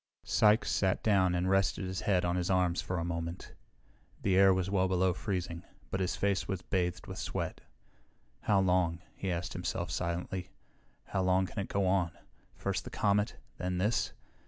Sykes sat down and rested his head on his arms for a moment. The air was well below freezing, but his face was bathed with sweat. How long? he asked himself silently. How long can it go on? First the comet, then this.